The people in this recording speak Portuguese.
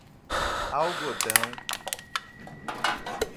algol, alocação, encapsulamento, ada, modularização, redes neurais, elencadas